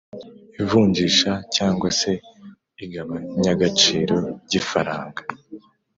ivunjisha cyangwa se igabanyagaciro ry’ifaranga